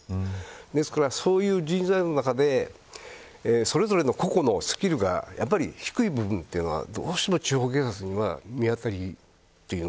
ですから、そういう人材の中でそれぞれの個々のスキルが低い部分というのがどうしても地方警察にはあります。